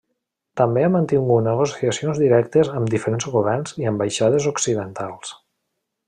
També ha mantingut negociacions directes amb diferents governs i ambaixades occidentals.